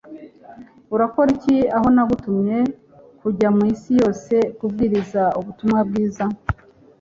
Urakora iki aho Nagutumye kujya mu isi yose kubwiriza ubutumwa bwiza